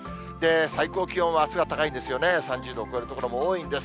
最高気温はあすは高いんですよね、３０度を超える所も多いんです。